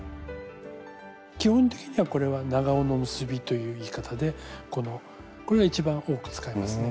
基本的にはこれは「長緒の結び」という言い方でこのこれが一番多く使いますね。